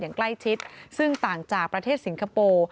อย่างใกล้ชิดซึ่งต่างจากประเทศสิงคโปร์